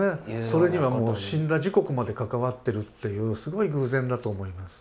それにはもう死んだ時刻まで関わってるっていうすごい偶然だと思います。